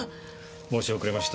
申し遅れました。